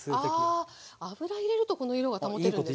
あ油入れるとこの色が保てるんですか。